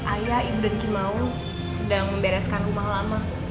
ayah ibu dan cimaung sedang membereskan rumah lama